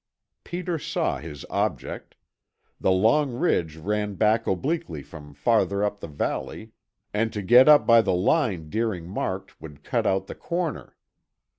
Peter saw his object. The long ridge ran back obliquely from farther up the valley and to get up by the line Deering marked would cut out the corner.